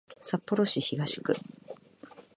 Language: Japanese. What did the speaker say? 札幌市東区